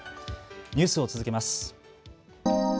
ニュースを続けます。